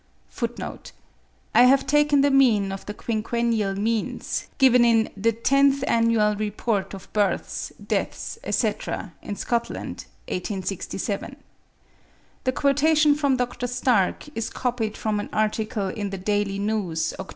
(24. I have taken the mean of the quinquennial means, given in 'The Tenth Annual Report of Births, Deaths, etc., in Scotland,' 1867. The quotation from Dr. Stark is copied from an article in the 'Daily News,' Oct.